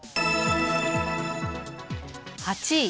８位。